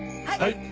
はい！